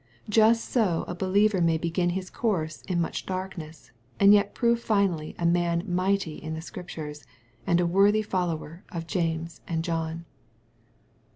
Just so a believer may begin his course in much darkness, and yet prove finally a man mighty in the Scriptures, and a worthy follower of James and John.